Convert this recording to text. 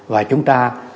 và chúng ta